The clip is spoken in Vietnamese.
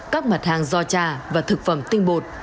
các mặt hàng do trà và thực phẩm tinh bột